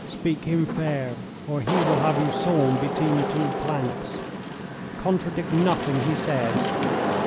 Speak him fair, or he will have you sawn between two planks. Contradict nothing he says.